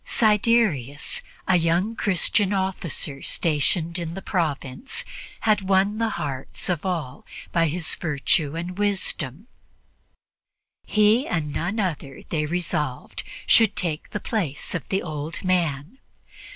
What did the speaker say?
Siderius, a young Christian officer stationed in the province, had won the hearts of all by his virtue and wisdom; he, and none other, they resolved, should take the place of the old man.